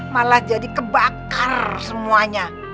malah jadi kebakar semuanya